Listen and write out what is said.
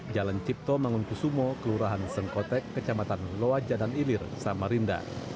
jalan cipto mangunkusumo kelurahan sengkotek kecamatan loaja dan ilir samarinda